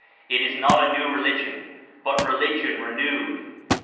"It is not a new religion, but Religion renewed."